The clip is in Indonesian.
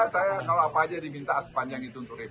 saya kalau apa aja diminta sepanjang itu